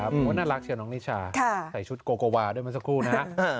ผมว่าน่ารักเชียวน้องนิชาใส่ชุดโกโกวาด้วยมันสักครู่นะ